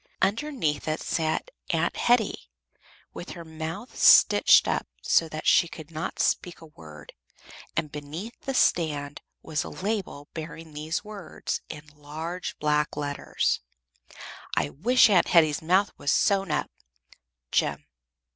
Underneath it sat Aunt Hetty, with her mouth stitched up so that she could not speak a word, and beneath the stand was a label bearing these words, in large black letters "I wish Aunt Hetty's mouth was sewed up, Jem."